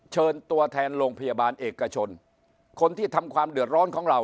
เชิญตัวแทนโรงพยาบาลเอกชนคนที่ทำความเดือดร้อนของเรา